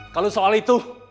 kalau soal itu